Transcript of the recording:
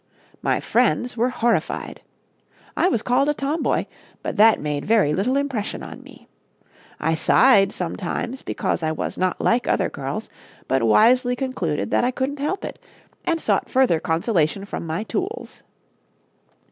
My friends were horrified. I was called a tomboy, but that made very little impression on me. I sighed sometimes because I was not like other girls, but wisely concluded that I couldn't help it, and sought further consolation from my tools.